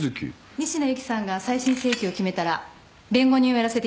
仁科由貴さんが再審請求を決めたら弁護人をやらせていただきます。